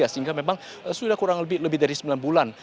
sehingga memang sudah kurang lebih dari sembilan bulan